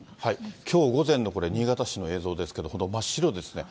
きょう午前の新潟市の映像ですけれども、真っ白ですね。